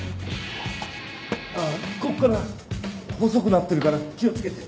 ああここから細くなってるから気をつけて。